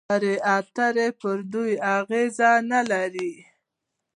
خبرې اترې پر دوی اغېز نلري.